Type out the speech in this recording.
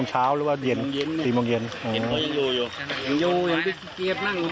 ชั่วโมงตอนพบศพ